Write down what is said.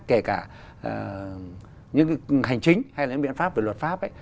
kể cả những cái hành chính hay là những biện pháp về luật pháp ấy